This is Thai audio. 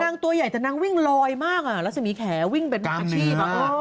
นางตัวใหญ่แต่นางวิ่งลอยมากลัสสะมีแข็วิ่งเป็นเกลียว